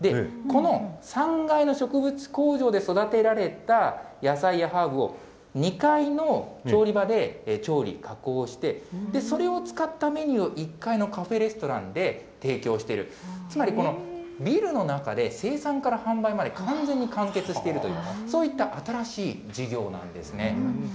この３階の植物工場で育てられた野菜やハーブを、２階の調理場で調理・加工して、それを使ったメニューを１階のカフェレストランで提供している、つまりこのビルの中で生産から販売まで完全に完結しているという、そういった新しい事業なんですね。